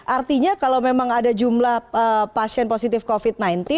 artinya kalau memang ada jumlah pasien positif covid sembilan belas